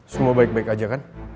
semua baik baik aja kan